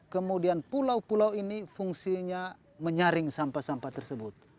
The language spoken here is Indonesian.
kemudian pulau pulau ini fungsinya menyaring sampah sampah tersebut